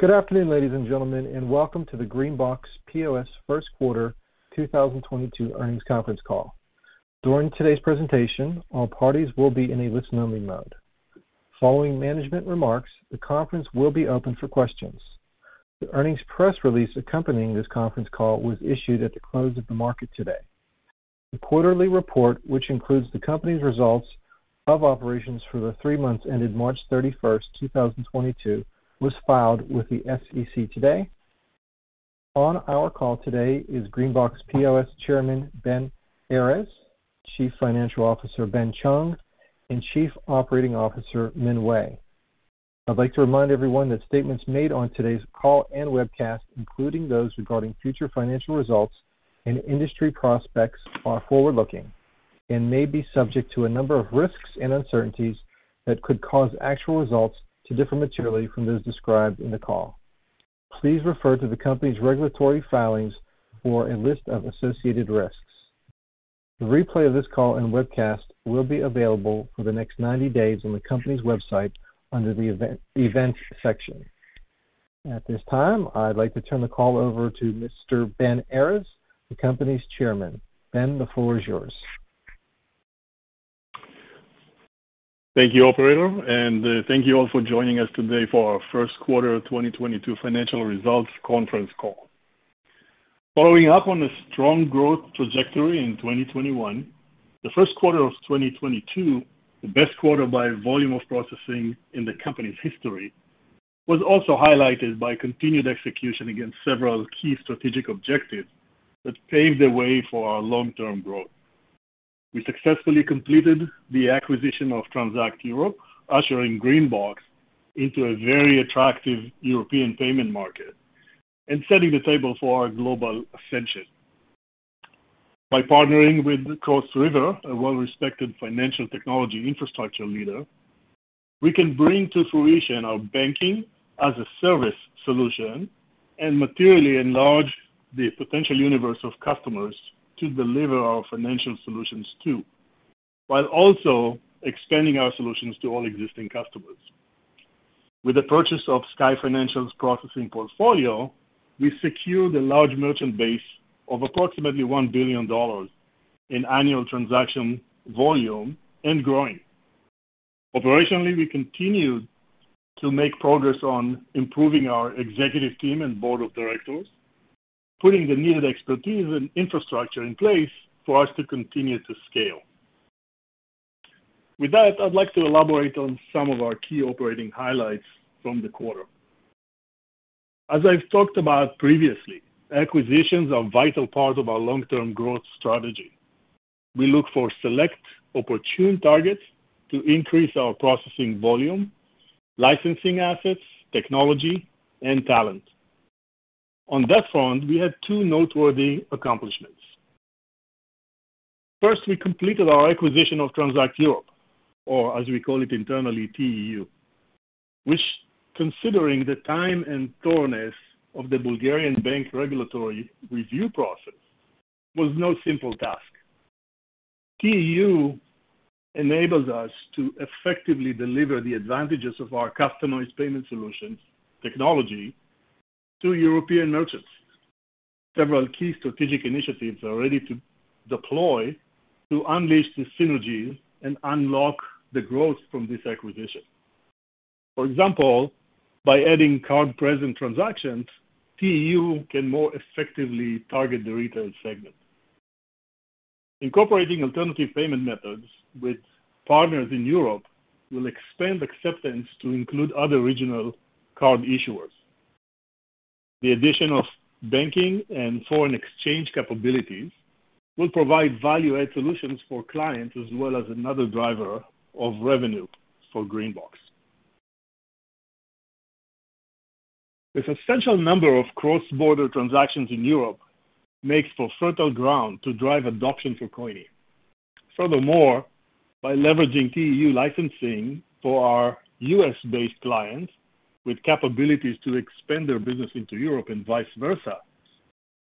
Good afternoon, ladies and gentlemen, and Welcome to the GreenBox POS First Quarter 2022 Earnings Conference Call. During today's presentation, all parties will be in a listen-only mode. Following management remarks, the conference will be open for questions. The earnings press release accompanying this conference call was issued at the close of the market today. The quarterly report, which includes the company's results of operations for the three months ended March 31, 2022, was filed with the SEC today. On our call today is GreenBox POS Chairman Ben Errez, Chief Financial Officer Benjamin Chung, and Chief Operating Officer Min Wei. I'd like to remind everyone that statements made on today's call and webcast, including those regarding future financial results and industry prospects, are forward-looking and may be subject to a number of risks and uncertainties that could cause actual results to differ materially from those described in the call. Please refer to the company's regulatory filings for a list of associated risks. The replay of this call and webcast will be available for the next 90 days on the company's website under the events section. At this time, I'd like to turn the call over to Mr. Ben Errez, the company's chairman. Ben, the floor is yours. Thank you, operator, and thank you all for joining us today for our first quarter 2022 financial results conference call. Following up on a strong growth trajectory in 2021, the first quarter of 2022, the best quarter by volume of processing in the company's history, was also highlighted by continued execution against several key strategic objectives that paved the way for our long-term growth. We successfully completed the acquisition of Transact Europe, ushering GreenBox into a very attractive European payment market and setting the table for our global ascension. By partnering with Cross River Bank, a well-respected financial technology infrastructure leader, we can bring to fruition our banking-as-a-service solution and materially enlarge the potential universe of customers to deliver our financial solutions to, while also expanding our solutions to all existing customers. With the purchase of Sky Financial & Intelligence's processing portfolio, we secured a large merchant base of approximately $1 billion in annual transaction volume and growing. Operationally, we continued to make progress on improving our executive team and board of directors, putting the needed expertise and infrastructure in place for us to continue to scale. With that, I'd like to elaborate on some of our key operating highlights from the quarter. As I've talked about previously, acquisitions are a vital part of our long-term growth strategy. We look for select opportune targets to increase our processing volume, licensing assets, technology, and talent. On that front, we had two noteworthy accomplishments. First, we completed our acquisition of Transact Europe, or as we call it internally, TEU, which, considering the time and thoroughness of the Bulgarian bank regulatory review process, was no simple task. TEU enables us to effectively deliver the advantages of our customized payment solutions technology to European merchants. Several key strategic initiatives are ready to deploy to unleash the synergies and unlock the growth from this acquisition. For example, by adding card-present transactions, TEU can more effectively target the retail segment. Incorporating alternative payment methods with partners in Europe will expand acceptance to include other regional card issuers. The addition of banking and foreign exchange capabilities will provide value-add solutions for clients, as well as another driver of revenue for GreenBox. The substantial number of cross-border transactions in Europe makes for fertile ground to drive adoption for Coyni. Furthermore, by leveraging TEU licensing for our US-based clients with capabilities to expand their business into Europe and vice versa,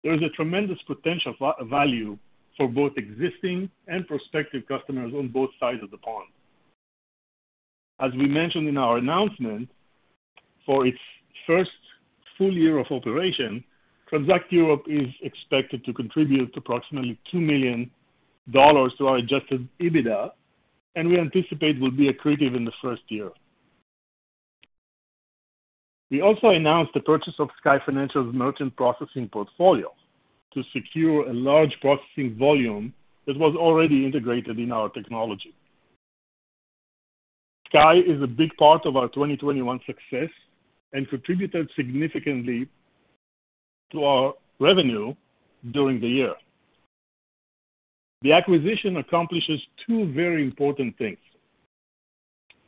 there is a tremendous potential value for both existing and prospective customers on both sides of the pond. As we mentioned in our announcement, for its first full year of operation, Transact Europe is expected to contribute approximately $2 million to our Adjusted EBITDA and we anticipate will be accretive in the first year. We also announced the purchase of Sky Financial & Intelligence's merchant processing portfolio to secure a large processing volume that was already integrated in our technology. Sky Financial & Intelligence is a big part of our 2021 success and contributed significantly to our revenue during the year. The acquisition accomplishes two very important things.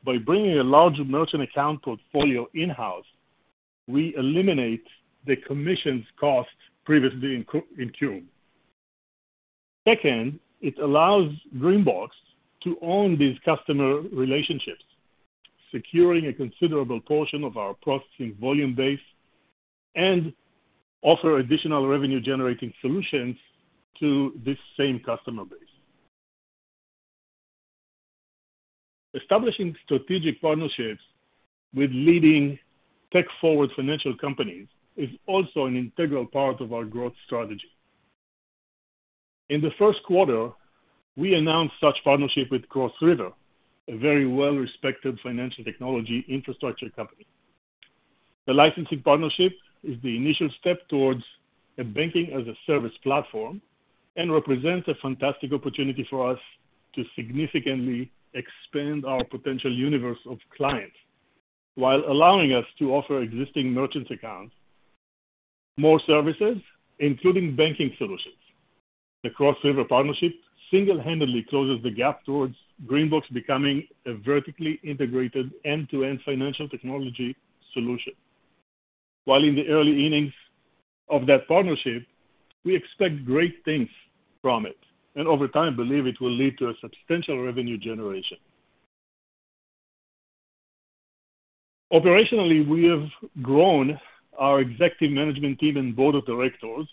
By bringing a large merchant account portfolio in-house, we eliminate the commissions cost previously incurred. Second, it allows GreenBox to own these customer relationships, securing a considerable portion of our processing volume base and offer additional revenue-generating solutions to this same customer base. Establishing strategic partnerships with leading tech-forward financial companies is also an integral part of our growth strategy. In the first quarter, we announced such partnership with Cross River, a very well-respected financial technology infrastructure company. The licensing partnership is the initial step towards a Banking-as-a-Service platform and represents a fantastic opportunity for us to significantly expand our potential universe of clients, while allowing us to offer existing merchant accounts more services, including banking solutions. The Cross River partnership single-handedly closes the gap towards GreenBox becoming a vertically integrated end-to-end financial technology solution. While in the early innings of that partnership, we expect great things from it, and over time, believe it will lead to a substantial revenue generation. Operationally, we have grown our executive management team, and board of directors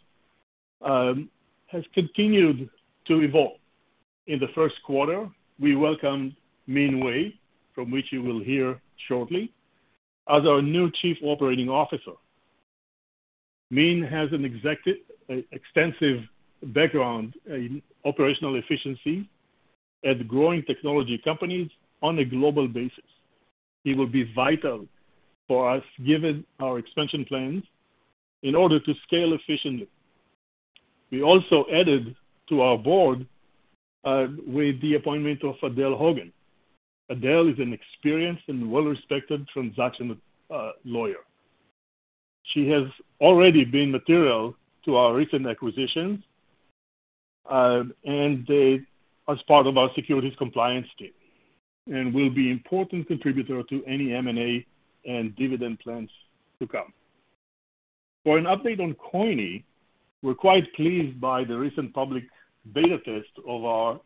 has continued to evolve. In the first quarter, we welcomed Min Wei, from which you will hear shortly, as our new chief operating officer. Min has an extensive background in operational efficiency at growing technology companies on a global basis. He will be vital for us, given our expansion plans, in order to scale efficiently. We also added to our board with the appointment of Adele Hogan. Adele is an experienced and well-respected transaction lawyer. She has already been material to our recent acquisitions as part of our securities compliance team and will be important contributor to any M&A and dividend plans to come. For an update on Coyni, we're quite pleased by the recent public beta test of our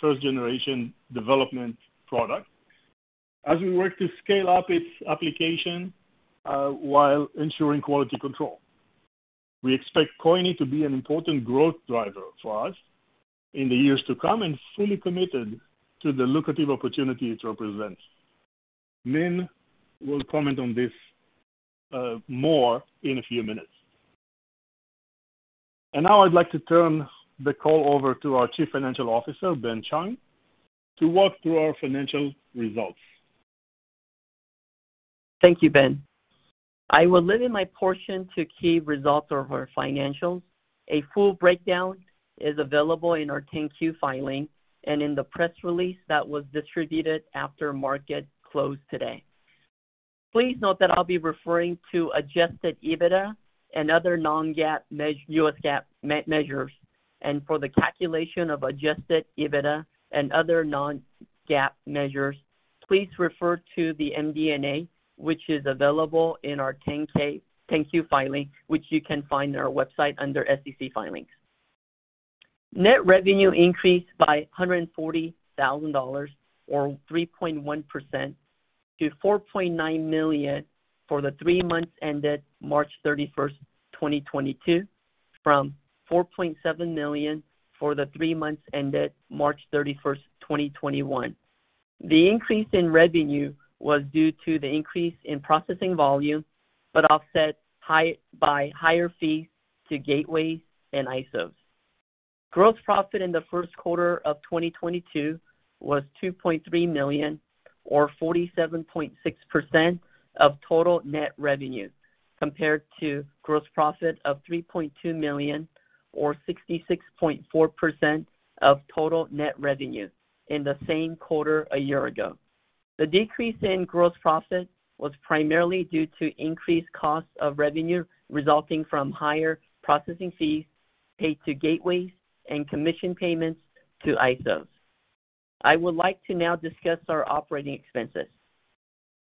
first generation development product, as we work to scale up its application while ensuring quality control. We expect Coyni to be an important growth driver for us in the years to come, and fully committed to the lucrative opportunity it represents. Min will comment on this more in a few minutes. Now I'd like to turn the call over to our Chief Financial Officer, Ben Chung, to walk through our financial results. Thank you, Ben. I will limit my portion to key results of our financials. A full breakdown is available in our 10-Q filing and in the press release that was distributed after market close today. Please note that I'll be referring to adjusted EBITDA and other non-GAAP and US GAAP measures. For the calculation of adjusted EBITDA and other non-GAAP measures, please refer to the MD&A, which is available in our 10-Q filing, which you can find on our website under SEC Filings. Net revenue increased by $140,000 or 3.1% to $4.9 million for the three months ended March 31, 2022, from $4.7 million for the three months ended March 31, 2021. The increase in revenue was due to the increase in processing volume, but offset by higher fees to gateways and ISOs. Gross profit in the first quarter of 2022 was $2.3 million or 47.6% of total net revenue, compared to gross profit of $3.2 million or 66.4% of total net revenue in the same quarter a year ago. The decrease in gross profit was primarily due to increased costs of revenue resulting from higher processing fees paid to gateways and commission payments to ISOs. I would like to now discuss our operating expenses.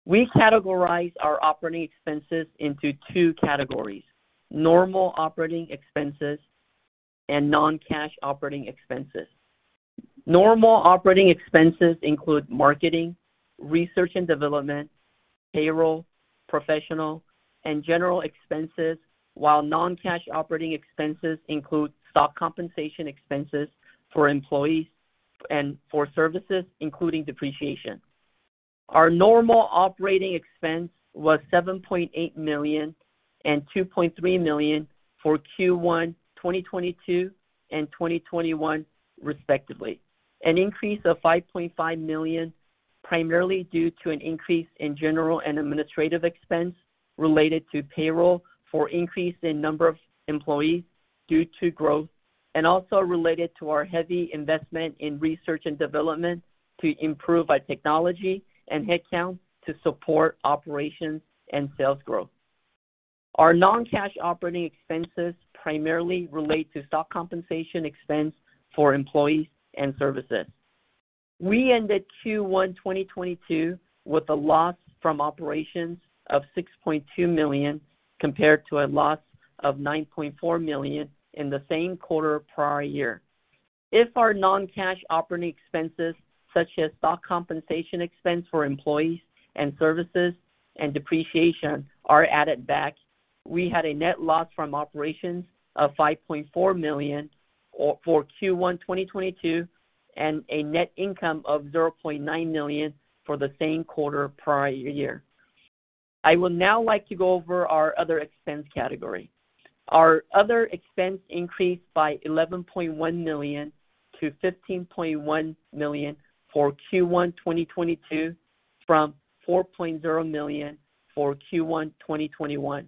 We categorize our operating expenses into two categories, normal operating expenses and non-cash operating expenses. Normal operating expenses include marketing, research and development, payroll, professional, and general expenses. While non-cash operating expenses include stock compensation expenses for employees and for services, including depreciation. Our normal operating expense was $7.8 million and $2.3 million for Q1 2022 and 2021 respectively, an increase of $5.5 million primarily due to an increase in general and administrative expense related to payroll for increase in number of employees due to growth, and also related to our heavy investment in research and development to improve our technology and headcount to support operations and sales growth. Our non-cash operating expenses primarily relate to stock compensation expense for employees and services. We ended Q1 2022 with a loss from operations of $6.2 million, compared to a loss of $9.4 million in the same quarter prior year. If our non-cash operating expenses, such as stock compensation expense for employees and services and depreciation, are added back, we had a net loss from operations of $5.4 million for Q1 2022 and a net income of $0.9 million for the same quarter prior year. I will now like to go over our other expense category. Our other expense increased by $11.1 million to $15.1 million for Q1 2022 from $4.0 million for Q1 2021.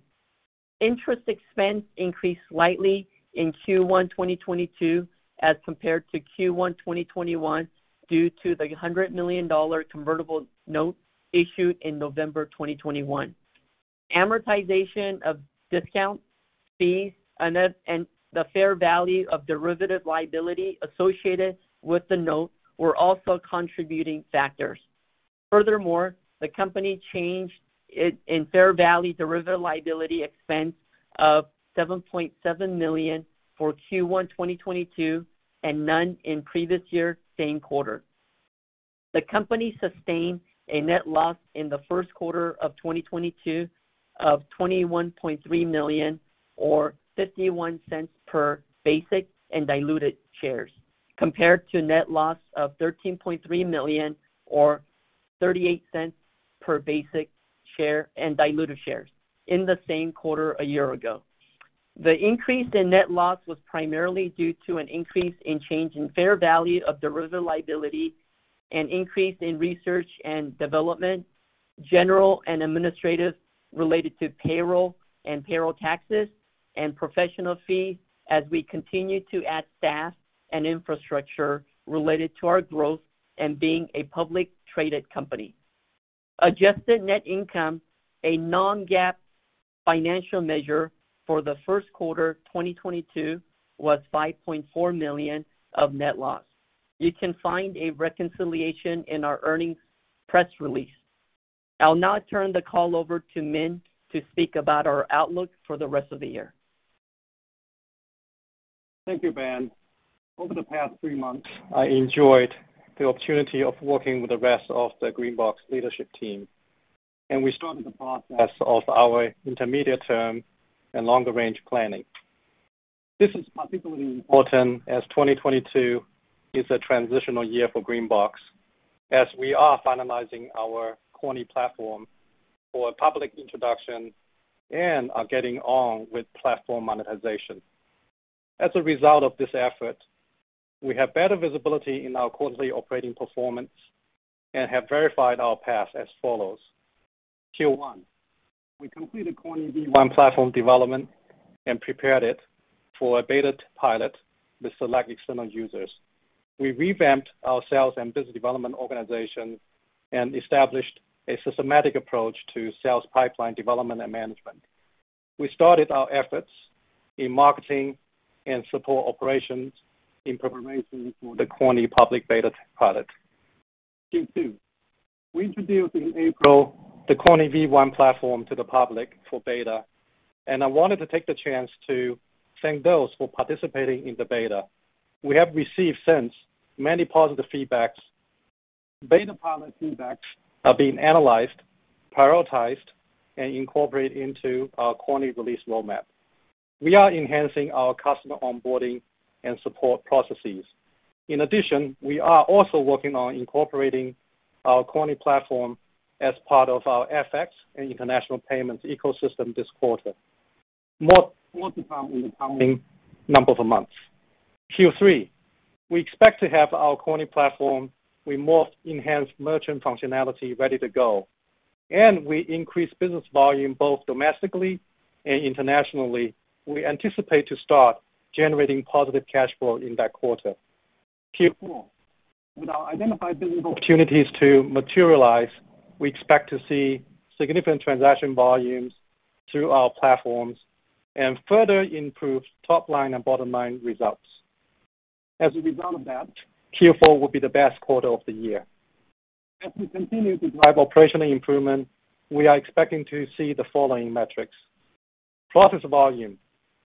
Interest expense increased slightly in Q1 2022 as compared to Q1 2021 due to the $100 million convertible notes issued in November 2021. Amortization of discount fees and the fair value of derivative liability associated with the note were also contributing factors. Furthermore, the company [had a] change in fair value derivative liability expense of $7.7 million for Q1 2022 and none in previous year same quarter. The company sustained a net loss in the first quarter of 2022 of $21.3 million or $0.51 per basic and diluted shares, compared to net loss of $13.3 million or $0.38 per basic share and diluted shares in the same quarter a year ago. The increase in net loss was primarily due to an increase in change in fair value of derivative liability, an increase in research and development, general and administrative related to payroll and payroll taxes and professional fees as we continue to add staff and infrastructure related to our growth and being a publicly traded company. Adjusted net income, a non-GAAP financial measure for the first quarter 2022, was a $5.4 million net loss. You can find a reconciliation in our earnings press release. I'll now turn the call over to Min to speak about our outlook for the rest of the year. Thank you, Ben. Over the past three months, I enjoyed the opportunity of working with the rest of the GreenBox leadership team, and we started the process of our intermediate term and longer-range planning. This is particularly important as 2022 is a transitional year for GreenBox, as we are finalizing our Coyni platform for public introduction and are getting on with platform monetization. As a result of this effort, we have better visibility in our quarterly operating performance and have verified our path as follows. Q1. We completed Coyni V1 platform development and prepared it for a beta pilot with select external users. We revamped our sales and business development organization and established a systematic approach to sales pipeline development and management. We started our efforts in marketing and support operations in preparation for the Coyni public beta pilot. Q2. We introduced in April the Coyni V1 platform to the public for beta, and I wanted to take the chance to thank those for participating in the beta. We have received since many positive feedbacks. Beta pilot feedbacks are being analyzed, prioritized, and incorporated into our Coyni release roadmap. We are enhancing our customer onboarding and support processes. In addition, we are also working on incorporating our Coyni platform as part of our FX and international payments ecosystem this quarter. More to come in the coming number of months. Q3. We expect to have our Coyni platform with more enhanced merchant functionality ready to go, and we increase business volume both domestically and internationally. We anticipate to start generating positive cash flow in that quarter. Q4. With our identified business opportunities to materialize, we expect to see significant transaction volumes through our platforms and further improve top line and bottom line results. As a result of that, Q4 will be the best quarter of the year. As we continue to drive operational improvement, we are expecting to see the following metrics. Processing volume.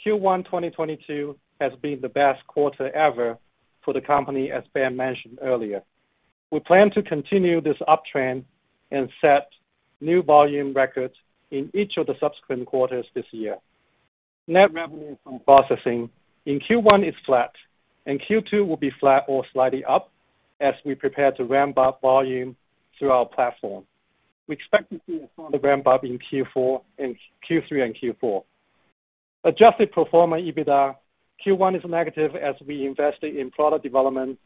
Q1 2022 has been the best quarter ever for the company, as Ben mentioned earlier. We plan to continue this uptrend and set new volume records in each of the subsequent quarters this year. Net revenue from processing in Q1 is flat, and Q2 will be flat or slightly up as we prepare to ramp up volume through our platform. We expect to see a further ramp up in Q4 and Q3 and Q4. Adjusted EBITDA, Q1 is negative as we invested in product development,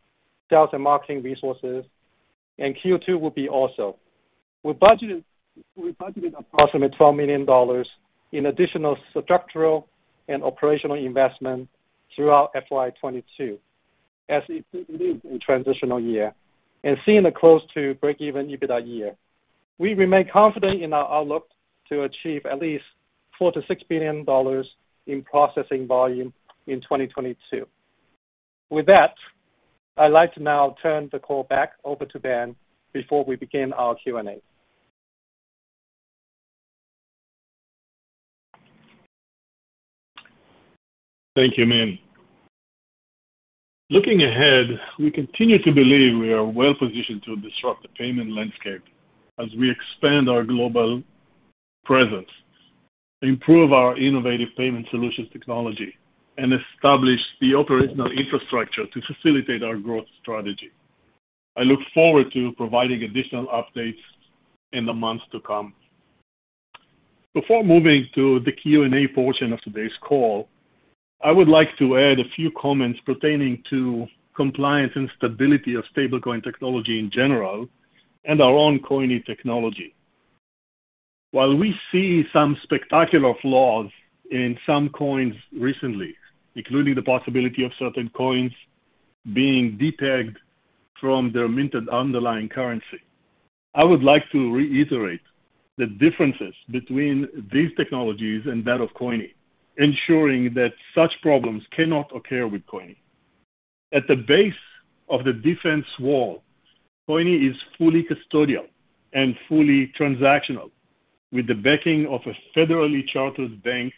sales and marketing resources, and Q2 will be also. We budgeted approximately $12 million in additional structural and operational investment throughout FY 2022, as it continues in transitional year and seeing a close to breakeven EBITDA year. We remain confident in our outlook to achieve at least $4 billion-$6 billion in processing volume in 2022. With that, I'd like to now turn the call back over to Ben before we begin our Q&A. Thank you, Min. Looking ahead, we continue to believe we are well-positioned to disrupt the payment landscape as we expand our global presence. Improve our innovative payment solutions technology and establish the operational infrastructure to facilitate our growth strategy. I look forward to providing additional updates in the months to come. Before moving to the Q&A portion of today's call, I would like to add a few comments pertaining to compliance and stability of stablecoin technology in general and our own Coyni technology. While we see some spectacular flaws in some coins recently, including the possibility of certain coins being de-pegged from their minted underlying currency, I would like to reiterate the differences between these technologies and that of Coyni, ensuring that such problems cannot occur with Coyni. At the base of the defense wall, Coyni is fully custodial and fully transactional, with the backing of a federally chartered bank,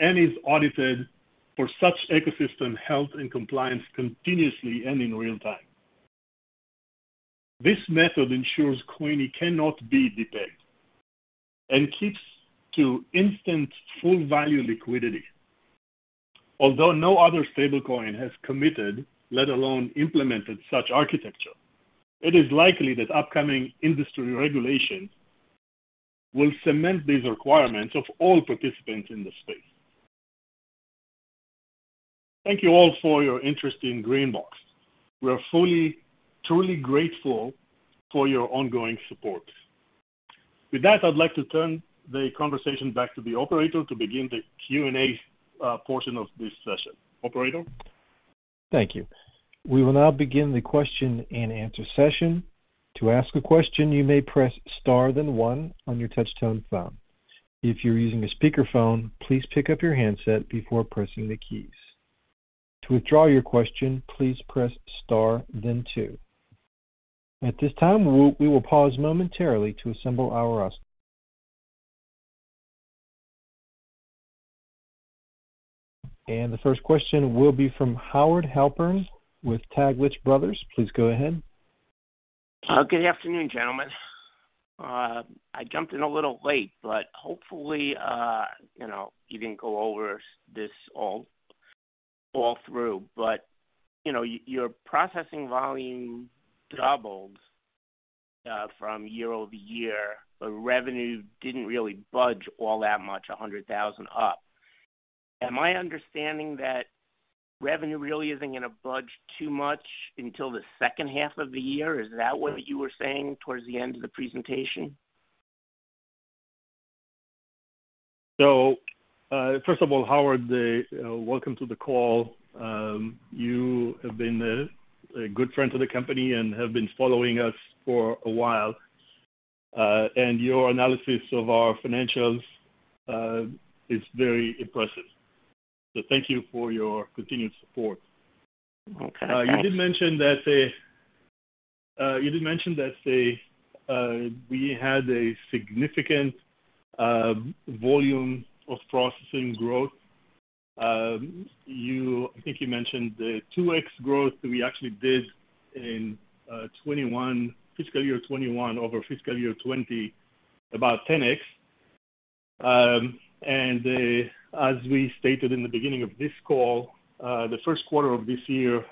and is audited for such ecosystem health and compliance continuously and in real time. This method ensures Coyni cannot be de-pegged and keeps to instant full value liquidity. Although no other stablecoin has committed, let alone implemented such architecture, it is likely that upcoming industry regulations will cement these requirements of all participants in the space. Thank you all for your interest in GreenBox. We are fully, truly grateful for your ongoing support. With that, I'd like to turn the conversation back to the operator to begin the Q&A portion of this session. Operator? Thank you. We will now begin the question and answer session. To ask a question, you may press Star then one on your touch-tone phone. If you're using a speakerphone, please pick up your handset before pressing the keys. To withdraw your question, please press Star then two. At this time, we will pause momentarily to assemble our roster. The first question will be from Howard Halpern with Taglich Brothers. Please go ahead. Good afternoon, gentlemen. I jumped in a little late, but hopefully you know you can go over this all through. You know, your processing volume doubled from year-over-year, but revenue didn't really budge all that much, $100,000 up. Am I understanding that revenue really isn't gonna budge too much until the second half of the year? Is that what you were saying towards the end of the presentation? First of all, Howard, welcome to the call. You have been a good friend to the company and have been following us for a while. Your analysis of our financials is very impressive. Thank you for your continued support. Okay, thanks. You did mention that we had a significant volume of processing growth. I think you mentioned the 2x growth that we actually did in fiscal year 2021 over fiscal year 2020, about 10x. As we stated in the beginning of this call, the first quarter of this year,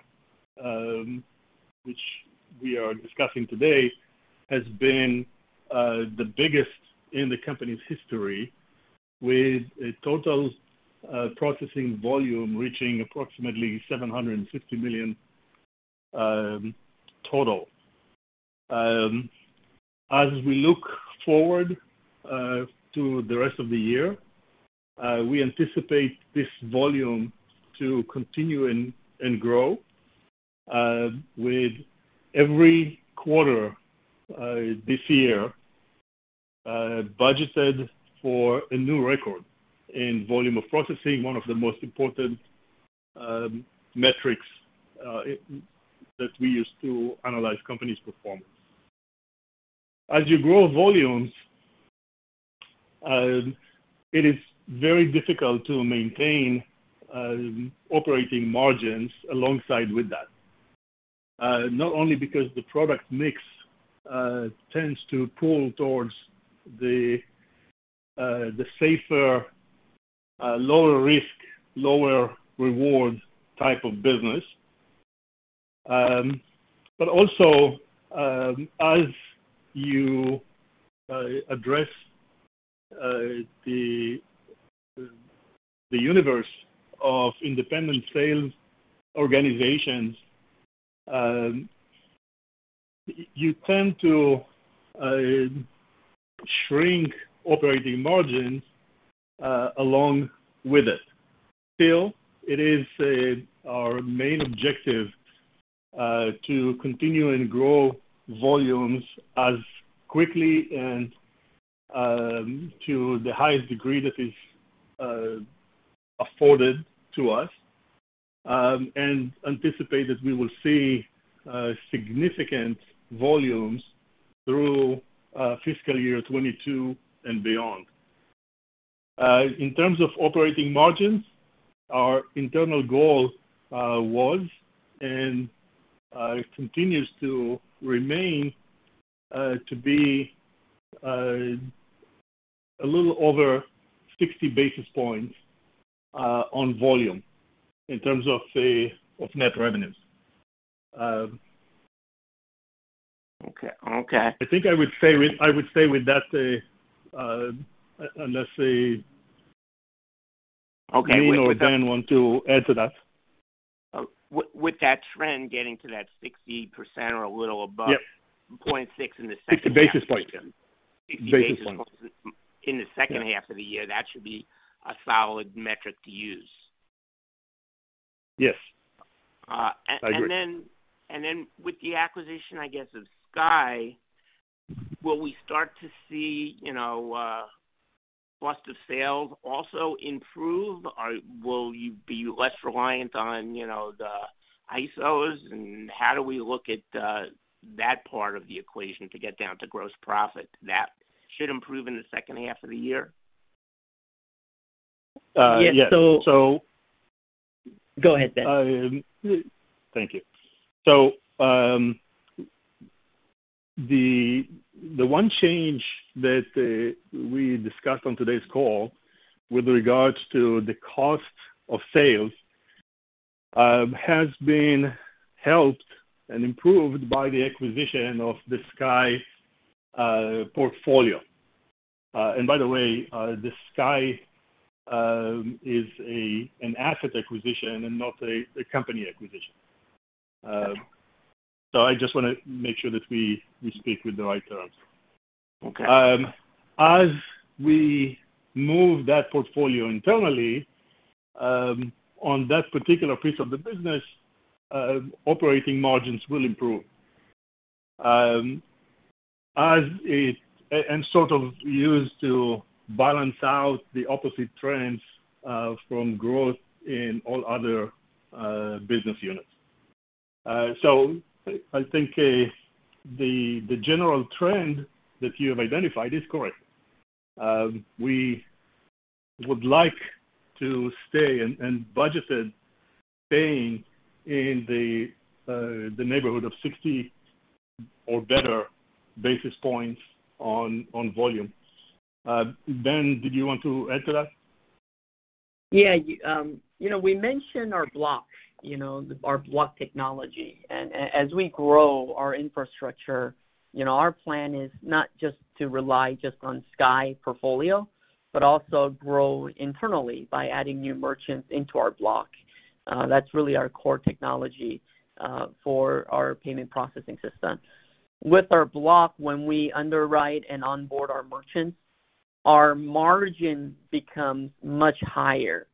which we are discussing today, has been the biggest in the company's history, with a total processing volume reaching approximately $750 million total. As we look forward to the rest of the year, we anticipate this volume to continue and grow with every quarter this year, budgeted for a new record in volume of processing, one of the most important metrics that we use to analyze company's performance. As you grow volumes, it is very difficult to maintain operating margins alongside with that. Not only because the product mix tends to pull towards the safer, lower risk, lower reward type of business, but also, as you address the universe of independent sales organizations, you tend to shrink operating margins along with it. Still, it is our main objective to continue and grow volumes as quickly and to the highest degree that is afforded to us, and anticipate that we will see significant volumes through fiscal year 2022 and beyond. In terms of operating margins, our internal goal was and continues to be a little over 60 basis points on volume in terms of net revenues. Okay. I think I would say with that, unless Okay. Min or Ben, want to add to that? With that trend getting to that 60% or a little above. Yep. 0.6 in the second half of the year. 60 basis points. 60 basis points. basis points. In the second half of the year, that should be a solid metric to use. Yes. Uh, a-and then- I agree. with the acquisition, I guess, of Sky, will we start to see, you know, cost of sales also improve? Or will you be less reliant on, you know, the ISOs? How do we look at that part of the equation to get down to gross profit? That should improve in the second half of the year? Yes. Yeah. So... Go ahead, Ben. Thank you. The one change that we discussed on today's call with regards to the cost of sales has been helped and improved by the acquisition of the Sky Financial & Intelligence portfolio. By the way, the Sky Financial & Intelligence is an asset acquisition and not a company acquisition. I just wanna make sure that we speak with the right terms. Okay. As we move that portfolio internally, on that particular piece of the business, operating margins will improve and sort of used to balance out the opposite trends from growth in all other business units. I think the general trend that you have identified is correct. We would like to stay and budgeted staying in the neighborhood of 60 or better basis points on volume. Ben, did you want to add to that? Yeah. You know, we mentioned our blockchain, you know, our blockchain technology. As we grow our infrastructure, you know, our plan is not just to rely just on Sky portfolio, but also grow internally by adding new merchants into our blockchain. That's really our core technology for our payment processing system. With our blockchain, when we underwrite and onboard our merchants, our margin becomes much higher.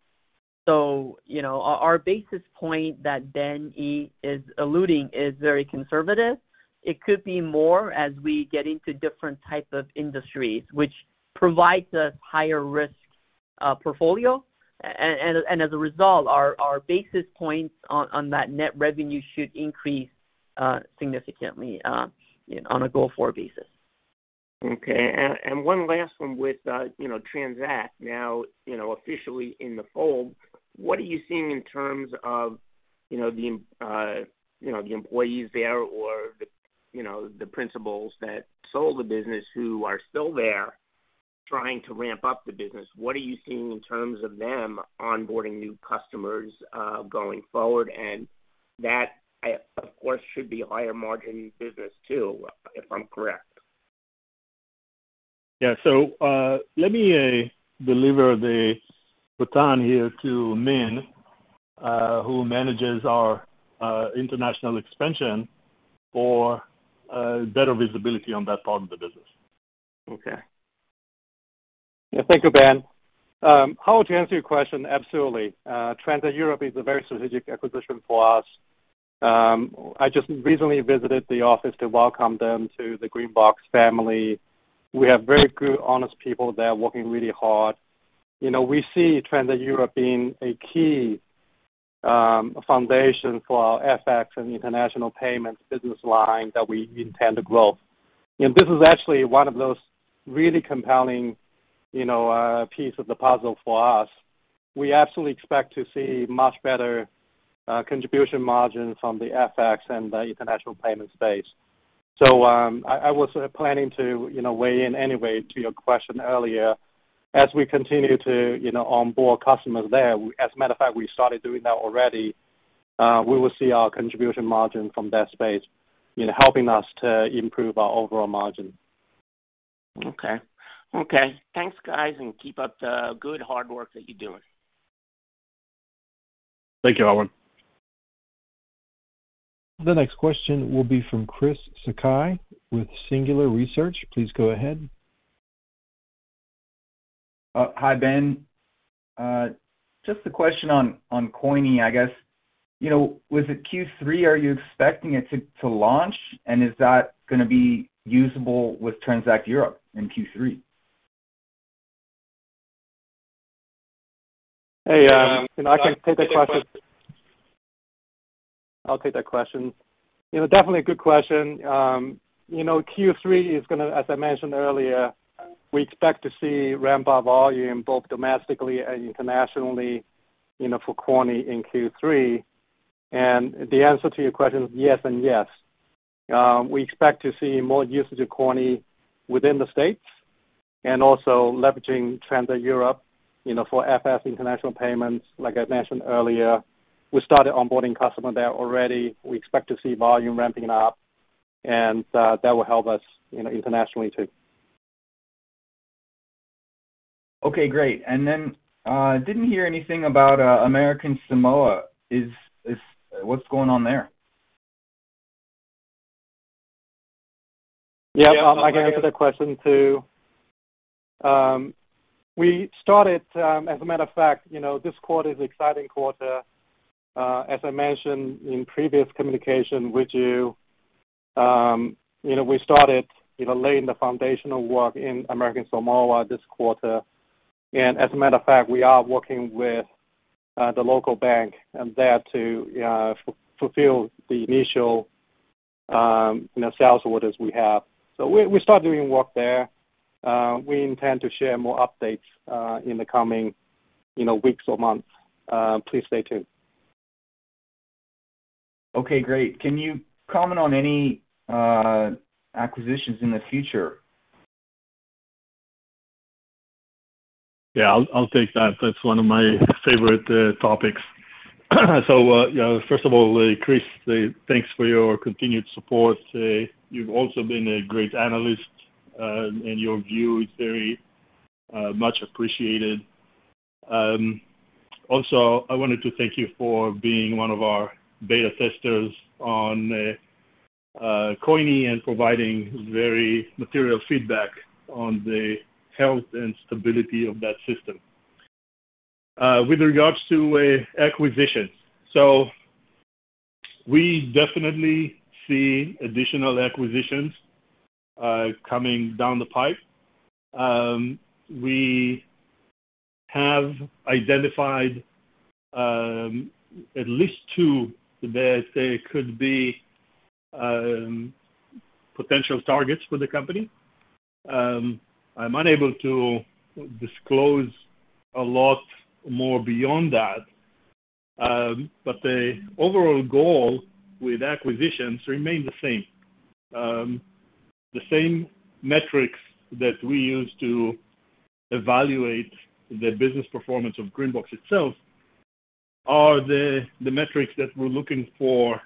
You know, our basis point that Ben Errez is alluding is very conservative. It could be more as we get into different type of industries, which provides us higher risk portfolio. And as a result, our basis points on that net revenue should increase significantly on a go-forward basis. Okay. One last one with you know Transact now you know officially in the fold. What are you seeing in terms of you know the employees there or the you know the principals that sold the business who are still there trying to ramp up the business? What are you seeing in terms of them onboarding new customers going forward? That of course should be higher margin business too if I'm correct. Yeah. Let me deliver the baton here to Min Wei, who manages our international expansion for better visibility on that part of the business. Okay. Yeah. Thank you, Ben. To answer your question, absolutely. Transact Europe is a very strategic acquisition for us. I just recently visited the office to welcome them to the GreenBox family. We have very good, honest people there working really hard. You know, we see Transact Europe being a key foundation for our FX and international payments business line that we intend to grow. This is actually one of those really compelling, you know, piece of the puzzle for us. We absolutely expect to see much better contribution margins from the FX and the international payment space. I was planning to, you know, weigh in any way to your question earlier. As we continue to, you know, onboard customers there, as a matter of fact, we started doing that already, we will see our contribution margin from that space, you know, helping us to improve our overall margin. Okay. Thanks, guys, and keep up the good hard work that you're doing. Thank you, Alan. The next question will be from Chris Sakai with Singular Research. Please go ahead. Hi, Ben. Just a question on Coyni, I guess. You know, with the Q3, are you expecting it to launch? Is that gonna be usable with Transact Europe in Q3? Hey, you know, I can take that question. I'll take that question. You know, definitely a good question. You know, as I mentioned earlier, we expect to see ramp-up volume both domestically and internationally, you know, for Coyni in Q3. The answer to your question is yes and yes. We expect to see more usage of Coyni within the States and also leveraging trends in Europe, you know, for FX international payments. Like I mentioned earlier, we started onboarding customer there already. We expect to see volume ramping up, and that will help us, you know, internationally too. Okay, great. Didn't hear anything about American Samoa. What's going on there? Yeah. I can answer that question too. We started, as a matter of fact, you know, this quarter is exciting quarter. As I mentioned in previous communication with you know, we started, you know, laying the foundational work in American Samoa this quarter. As a matter of fact, we are working with the local bank there to fulfill the initial, you know, sales orders we have. We start doing work there. We intend to share more updates in the coming, you know, weeks or months. Please stay tuned. Okay, great. Can you comment on any acquisitions in the future? Yeah, I'll take that. That's one of my favorite topics. Yeah, first of all, Chris, thanks for your continued support. You've also been a great analyst, and your view is very much appreciated. Also, I wanted to thank you for being one of our beta testers on Coyni and providing very material feedback on the health and stability of that system. With regards to acquisitions. We definitely see additional acquisitions coming down the pipe. We have identified at least two that I'd say could be potential targets for the company. I'm unable to disclose a lot more beyond that, but the overall goal with acquisitions remain the same. The same metrics that we use to evaluate the business performance of GreenBox itself are the metrics that we're looking for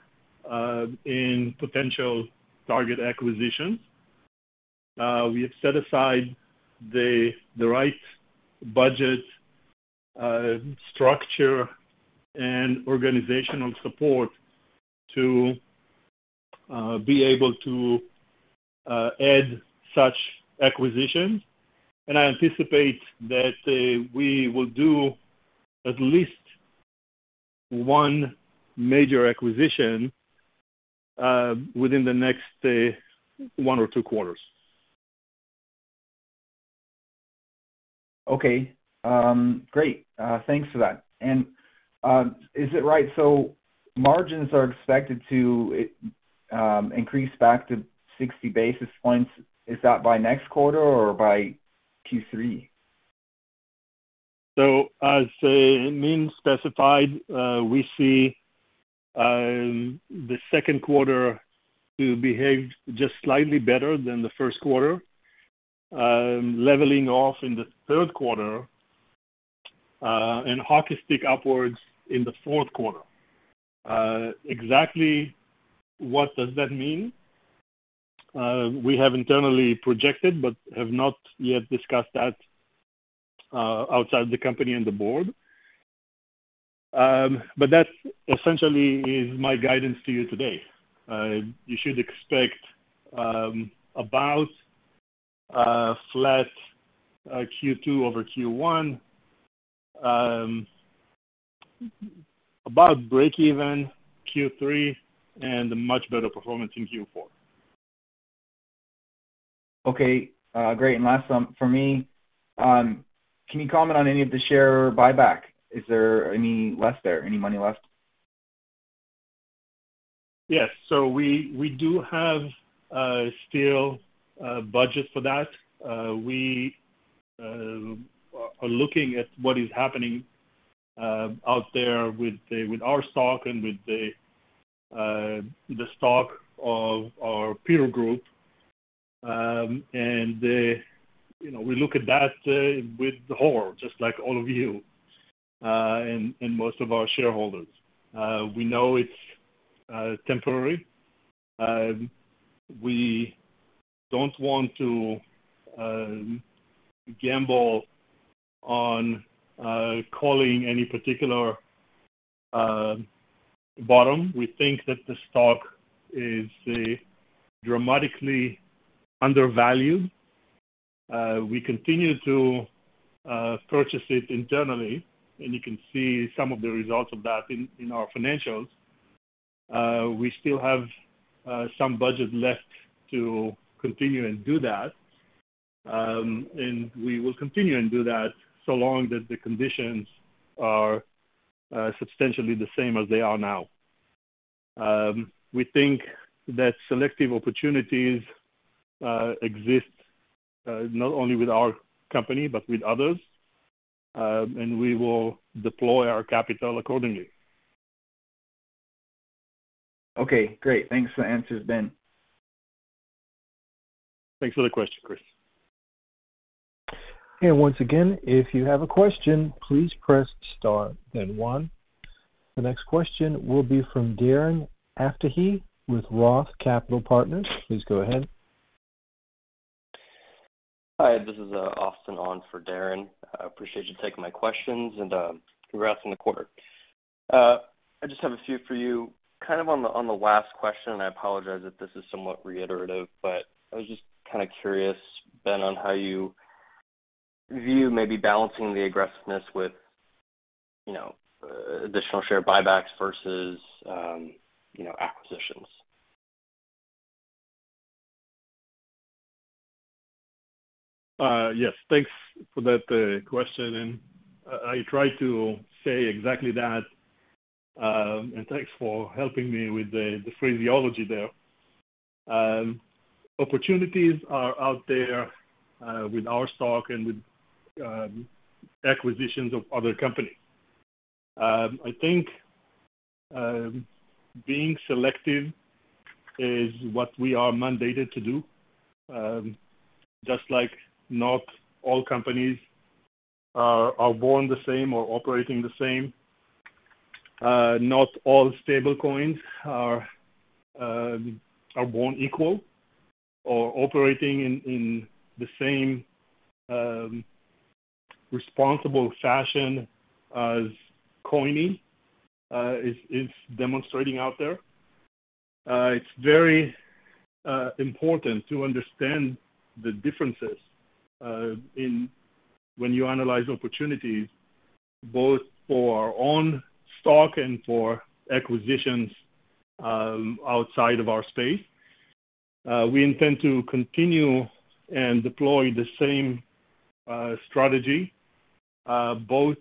in potential target acquisitions. We have set aside the right budget, structure and organizational support to be able to add such acquisitions. I anticipate that we will do at least one major acquisition within the next one or two quarters. Okay. Great. Thanks for that. Is it right, so margins are expected to increase back to 60 basis points. Is that by next quarter or by Q3? As Min specified, we see the second quarter to behave just slightly better than the first quarter, leveling off in the third quarter, and hockey stick upwards in the fourth quarter. Exactly what does that mean? We have internally projected but have not yet discussed that outside the company and the board. That essentially is my guidance to you today. You should expect about flat Q2 over Q1, about breakeven Q3, and a much better performance in Q4. Okay. Great. Last, for me, can you comment on any of the share buyback? Is there any left there? Any money left? Yes. We do have still budget for that. We are looking at what is happening out there with our stock and with the stock of our peer group. You know, we look at that with horror, just like all of you and most of our shareholders. We know it's temporary. We don't want to gamble on calling any particular bottom. We think that the stock is dramatically undervalued. We continue to purchase it internally, and you can see some of the results of that in our financials. We still have some budget left to continue and do that, and we will continue and do that so long that the conditions are substantially the same as they are now. We think that selective opportunities exist not only with our company but with others, and we will deploy our capital accordingly. Okay, great. Thanks for the answers, Ben. Thanks for the question, Chris. Once again, if you have a question, please press star then one. The next question will be from Darren Aftahi with Roth Capital Partners. Please go ahead. Hi, this is Austin on for Darren. I appreciate you taking my questions and congrats on the quarter. I just have a few for you, kind of on the last question. I apologize if this is somewhat reiterative, but I was just kinda curious, Ben, on how you view maybe balancing the aggressiveness with, you know, additional share buybacks versus, you know, acquisitions. Yes. Thanks for that question. I tried to say exactly that, and thanks for helping me with the phraseology there. Opportunities are out there with our stock and with acquisitions of other companies. I think being selective is what we are mandated to do. Just like not all companies are born the same or operating the same, not all stablecoins are born equal or operating in the same responsible fashion as Coyni is demonstrating out there. It's very important to understand the differences in when you analyze opportunities both for our own stock and for acquisitions outside of our space. We intend to continue and deploy the same strategy both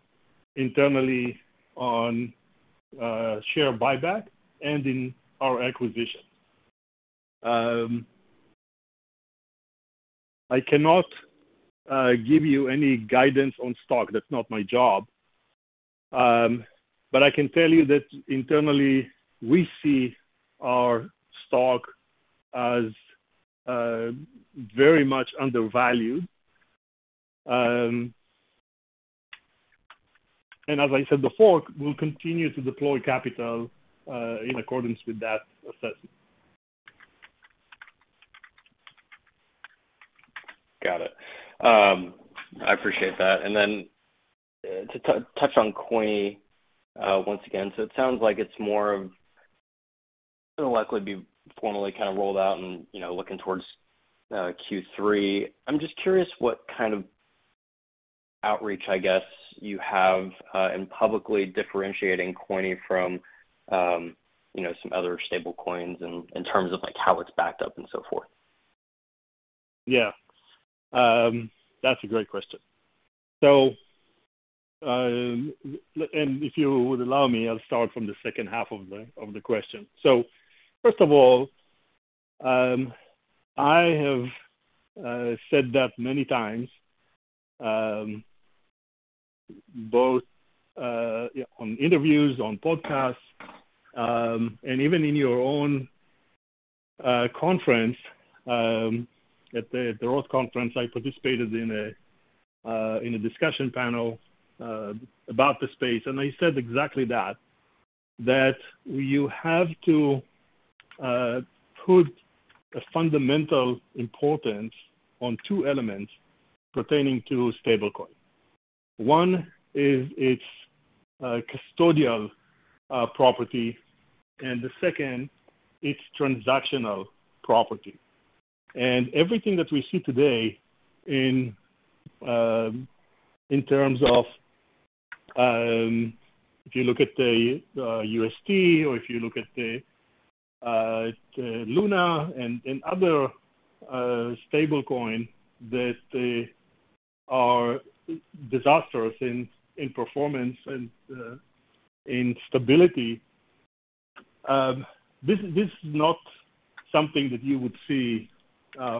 internally on share buyback and in our acquisitions. I cannot give you any guidance on stock. That's not my job. I can tell you that internally we see our stock as very much undervalued. As I said before, we'll continue to deploy capital in accordance with that assessment. Got it. I appreciate that. To touch on Coyni once again, so it sounds like it's more of it'll likely be formally kinda rolled out and, you know, looking towards Q3. I'm just curious what kind of outreach, I guess, you have in publicly differentiating Coyni from, you know, some other stablecoins in terms of like how it's backed up and so forth. Yeah. That's a great question. If you would allow me, I'll start from the second half of the question. First of all, I have said that many times, both yeah, on interviews, on podcasts, and even in your own conference, at the Roth conference, I participated in a discussion panel about the space, and I said exactly that. That you have to put a fundamental importance on two elements pertaining to stablecoin. One is its custodial property, and the second, its transactional property. Everything that we see today in terms of if you look at the UST or if you look at the Luna and other stablecoin that are disastrous in performance and in stability, this is not something that you would see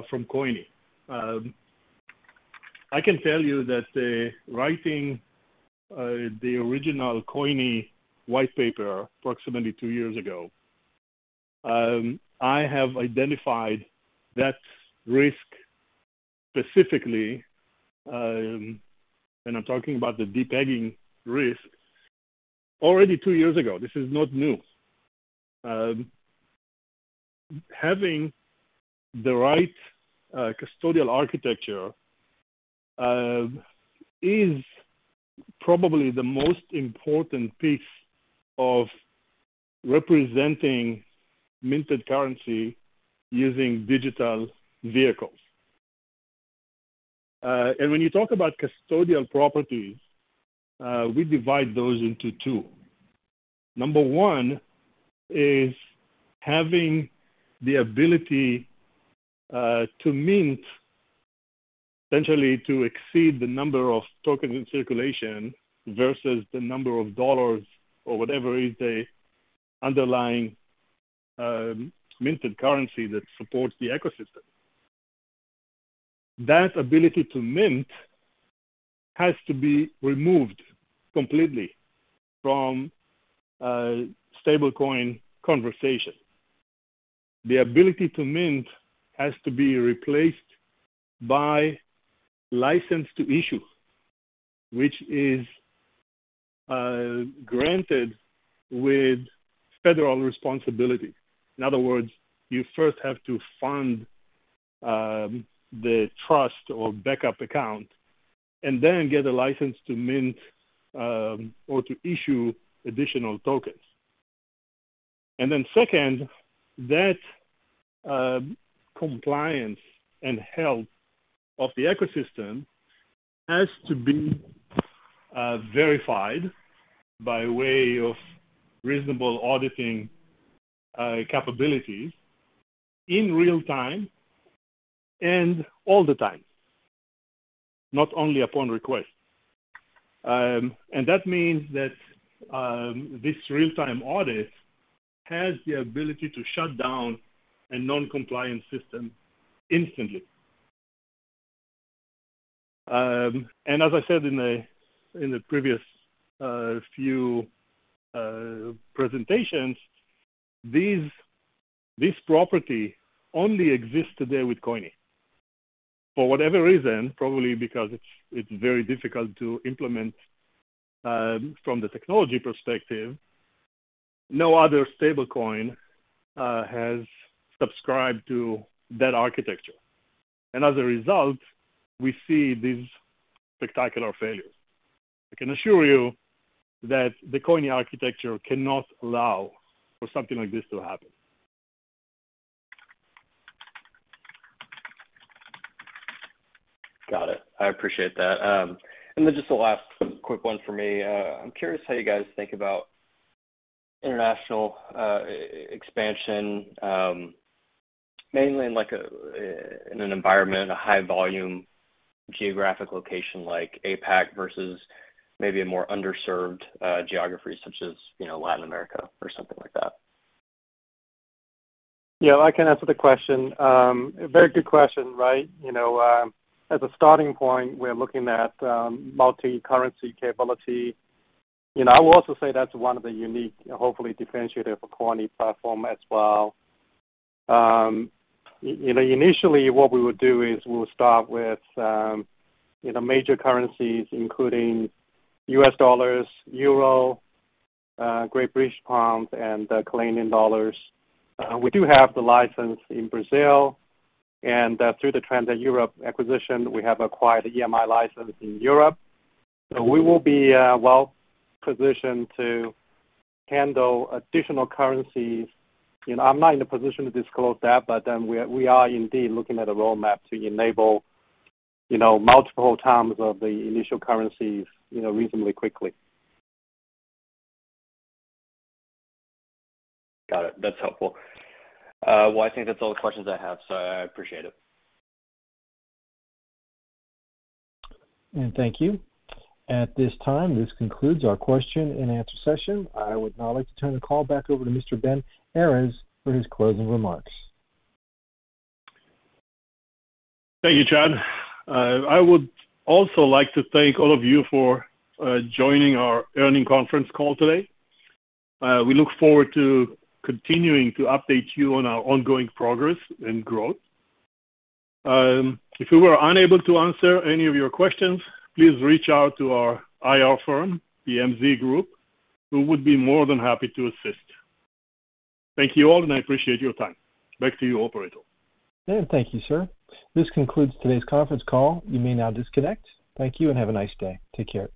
from Coyni. I can tell you that writing the original Coyni white paper approximately two years ago, I have identified that risk specifically, and I'm talking about the de-pegging risk, already two years ago. This is not new. Having the right custodial architecture is probably the most important piece of representing minted currency using digital vehicles. When you talk about custodial properties, we divide those into two. Number one is having the ability to mint, essentially to exceed the number of tokens in circulation versus the number of dollars or whatever is the underlying minted currency that supports the ecosystem. That ability to mint has to be removed completely from stablecoin conversation. The ability to mint has to be replaced by license to issue, which is granted with federal responsibility. In other words, you first have to fund the trust or backup account and then get a license to mint or to issue additional tokens. Then second, that compliance and health of the ecosystem has to be verified by way of reasonable auditing capabilities in real time and all the time, not only upon request. That means that this real-time audit has the ability to shut down a non-compliant system instantly. As I said in the previous few presentations, this property only exists today with Coyni. For whatever reason, probably because it's very difficult to implement from the technology perspective, no other stablecoin has subscribed to that architecture. As a result, we see these spectacular failures. I can assure you that the Coyni architecture cannot allow for something like this to happen. Got it. I appreciate that. Just the last quick one for me. I'm curious how you guys think about international expansion, mainly in an environment, a high volume geographic location like APAC versus maybe a more underserved geography such as, you know, Latin America or something like that. Yeah, I can answer the question. Very good question, right? You know, as a starting point, we're looking at multi-currency capability. You know, I will also say that's one of the unique and hopefully differentiator for Coyni platform as well. You know, initially what we would do is we'll start with you know, major currencies including US dollars, euro, Great British pounds, and the Canadian dollars. We do have the license in Brazil, and through the Transact Europe acquisition, we have acquired an EMI license in Europe. So we will be well-positioned to handle additional currencies. You know, I'm not in a position to disclose that, but we are indeed looking at a roadmap to enable you know, multiple times of the initial currencies, you know, reasonably quickly. Got it. That's helpful. Well, I think that's all the questions I have, so I appreciate it. Thank you. At this time, this concludes our question and answer session. I would now like to turn the call back over to Mr. Ben Errez for his closing remarks. Thank you, Chad. I would also like to thank all of you for joining our earnings conference call today. We look forward to continuing to update you on our ongoing progress and growth. If we were unable to answer any of your questions, please reach out to our IR firm, MZ Group, who would be more than happy to assist. Thank you all, and I appreciate your time. Back to you, operator. Thank you, sir. This concludes today's conference call. You may now disconnect. Thank you and have a nice day. Take care.